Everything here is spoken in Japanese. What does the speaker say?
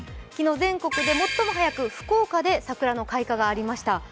昨日、全国で最も早く福岡で桜の開花がありました。